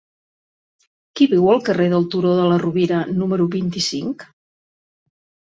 Qui viu al carrer del Turó de la Rovira número vint-i-cinc?